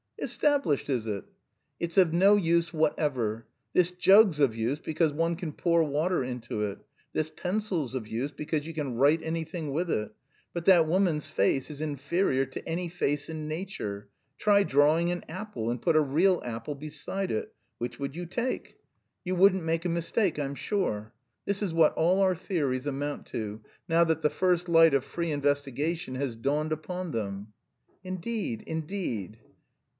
"Established, is it?" "It's of no use whatever. This jug's of use because one can pour water into it. This pencil's of use because you can write anything with it. But that woman's face is inferior to any face in nature. Try drawing an apple, and put a real apple beside it. Which would you take? You wouldn't make a mistake, I'm sure. This is what all our theories amount to, now that the first light of free investigation has dawned upon them." "Indeed, indeed."